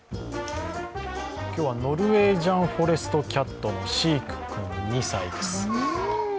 今日はノルウェージャンフォレストキャットのシィク君２歳です。